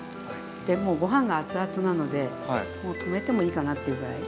でもうご飯がアツアツなのでもう止めてもいいかなっていうぐらい。